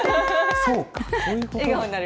そうか、そういうことか。